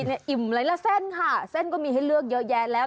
เนี่ยอิ่มหลายละเส้นค่ะเส้นก็มีให้เลือกเยอะแยะแล้ว